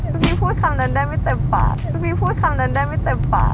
คุณบี้พูดคำนั้นได้ไม่เต็มปากคุณบี้พูดคำนั้นได้ไม่เต็มปาก